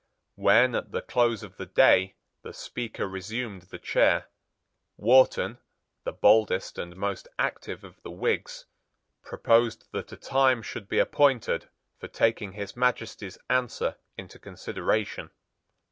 When, at the close of the day, the Speaker resumed the chair, Wharton, the boldest and most active of the Whigs, proposed that a time should be appointed for taking His Majesty's answer into consideration.